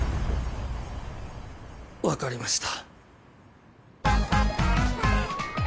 わかりました。